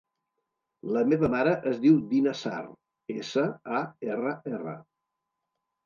La meva mare es diu Dina Sarr: essa, a, erra, erra.